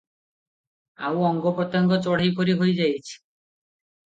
ଆଉ ଅଙ୍ଗ ପ୍ରତ୍ୟଙ୍ଗ ଚଢ଼େଇ ପରି ହୋଇ ଯାଇଅଛି ।